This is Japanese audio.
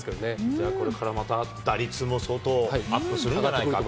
じゃあ、これからまた打率も相当アップするんじゃないかと。